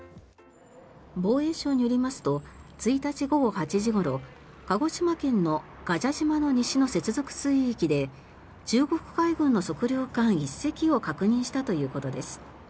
防衛省によりますと１日午後８時ごろ鹿児島県の臥蛇島の西の接続水域で中国海軍の測量艦１隻を確認したということです。